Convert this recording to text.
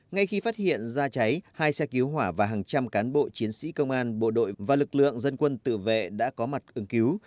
ngay khi phát hiện ra cháy hai xe cứu hỏa và hàng trăm cán bộ chiến sĩ công an bộ đội và lực lượng dân quân tự vệ đã có mặt ứng cứu